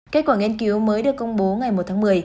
kết quả nghiên cứu mới được công bố ngày một tháng một mươi